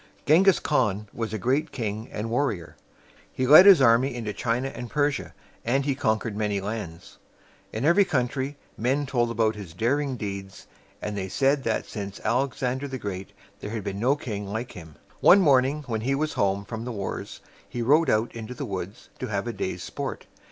Gen´ghis Khan was a great king and war rior. He led his army into China and Persia, and he con quered many lands. In every country, men told about his daring deeds; and they said that since Alexander the Great there had been no king like him. One morning when he was home from the wars, he rode out into the woods to have a day's sport.